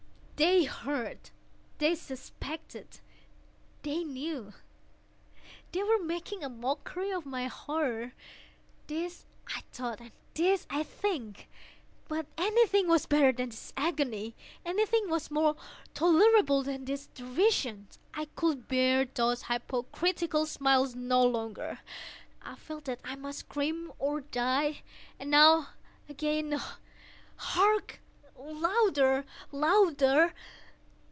They heard!—they suspected!—they knew!—they were making a mockery of my horror!—this I thought, and this I think. But anything was better than this agony! Anything was more tolerable than this derision! I could bear those hypocritical smiles no longer! I felt that I must scream or die! and now—again!—hark! louder! louder!